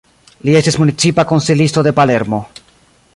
Li estis municipa konsilisto de Palermo.